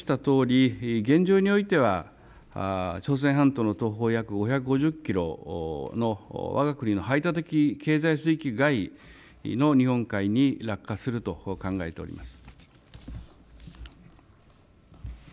先ほど申し上げたとおり、現状においては朝鮮半島の東方約５５０キロのわが国の排他的経済水域外の日本海に落下すると考えております。